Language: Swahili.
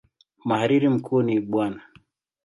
Mhariri mkuu ni Bw.